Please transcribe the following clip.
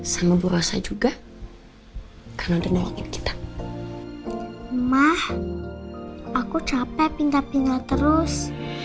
sama berusaha juga karena udah nolongin kita mah aku capek pinggir pinggir terus